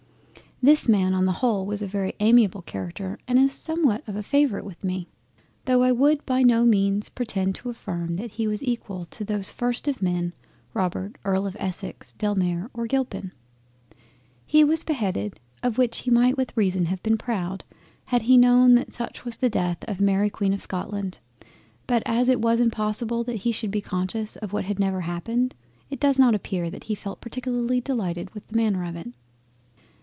This Man was on the whole of a very amiable Character, and is somewhat of a favourite with me, tho' I would by no means pretend to affirm that he was equal to those first of Men Robert Earl of Essex, Delamere, or Gilpin. He was beheaded, of which he might with reason have been proud, had he known that such was the death of Mary Queen of Scotland; but as it was impossible that he should be conscious of what had never happened, it does not appear that he felt particularly delighted with the manner of it.